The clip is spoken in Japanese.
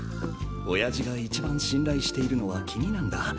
親父が一番信頼しているのは君なんだ。